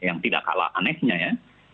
yang tidak kalah anehnya ya